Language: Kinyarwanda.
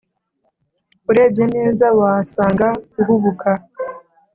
urebye neza wasanga uhubuka